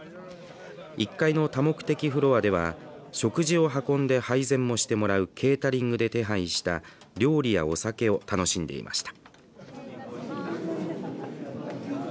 １階の多目的フロアでは食事を運んで配膳もしてもらうケータリングで手配した料理やお酒を楽しんでいました。